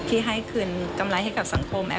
ก็เดี๋ยวกำลังจะกลางปี